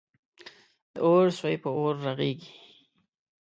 د اور سوی په اور رغیږی.